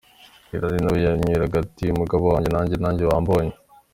Hilary nawe yamwenyura ati Mugabo wanjye nanjye wambonye ?